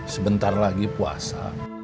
sebentar lagi puasa